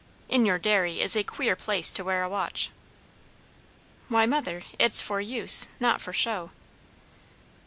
"In your dairy is a queer place to wear a watch." "Why, mother, it's for use, not for show."